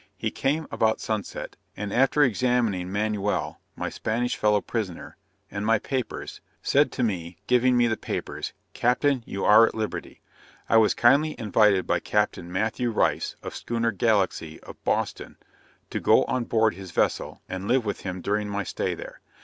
He came about sunset, and after examining Manuel my Spanish fellow prisoner, and my papers, said to be, giving me the papers, "Captain, you are at liberty." I was kindly invited by Captain Matthew Rice, of schooner Galaxy, of Boston, to go on board his vessel, and live with him during my stay there.